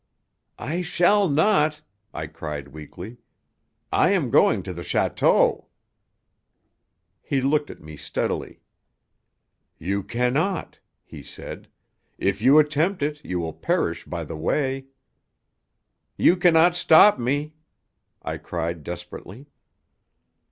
"I shall not!" I cried weakly. "I am going on to the château!" He looked at me steadily. "You cannot," he said. "If you attempt it you will perish by the way." "You cannot stop me!" I cried desperately.